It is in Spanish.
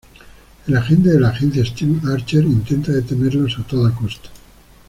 El agente de la agencia Steven Archer intenta detenerlos a toda costa.